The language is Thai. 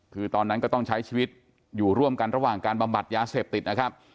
คือตอนนั้นก็ต้องใช้ชีวิตอยู่ร่วมกันระหว่างการบำบัดยาเสพติดนะครับ